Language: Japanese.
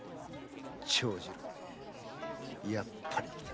長次郎めやっぱり来たか。